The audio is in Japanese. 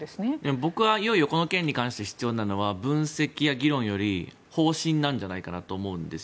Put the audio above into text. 僕はいよいよこの件に関して必要なのは分析や議論より方針なんじゃないかなと思うんですよ。